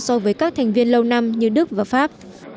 so với các thành viên lâu năm như đức và pháp